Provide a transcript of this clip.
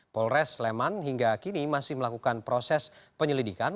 polres sleman hingga kini masih melakukan proses penyelidikan